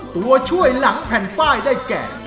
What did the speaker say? ตัวช่วยหลังแผ่นป้ายได้แก่